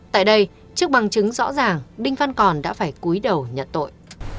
tại đây trước bằng chứng rõ ràng đinh văn còn đã phải cuối đầu nhận tội